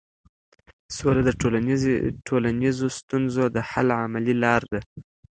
سوله د ټولنیزو ستونزو د حل عملي لار ده.